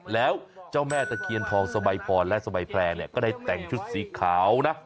แล้วเจ้าแม่ตะเคียนทองสบายพรและสบายแพร่ก็ได้แต่งชุดสีขาวนะ